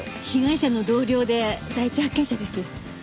被害者の同僚で第一発見者です。